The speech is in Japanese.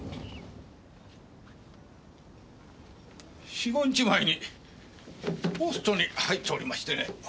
４５日前にポストに入っておりましてね。